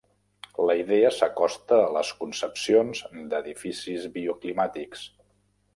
La idea s'acosta a les concepcions d'edificis bioclimàtics.